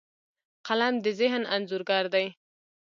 قلم د ذهن انځورګر دی